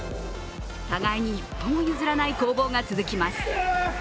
互いに一歩も譲らない攻防が続きます。